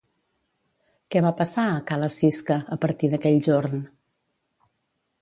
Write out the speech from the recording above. Què va passar, a ca la Sisca, a partir d'aquell jorn?